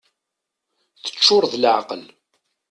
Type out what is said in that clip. Teččur d leɛqel.